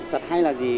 thật hay là gì